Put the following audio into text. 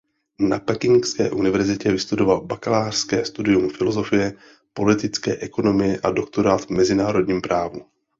Na Pekingské univerzitě vystudoval bakalářské studium filozofie politické ekonomie a doktorát v mezinárodním právu.